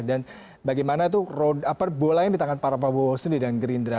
dan bagaimana itu bolanya di tangan pak prabowo sudi dan gerindra